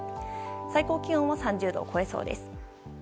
最高気温は３０度を超えそうです。